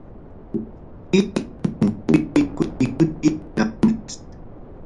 Wasiki punkupi kuti kuti lambras.